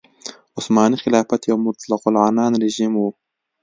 عثماني خلافت یو مطلق العنان رژیم و.